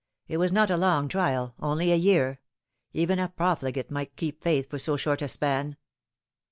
It was not a long trial only a year. Even a profligate might keep faith for so short a span."